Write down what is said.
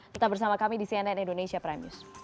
tetap bersama kami di cnn indonesia prime news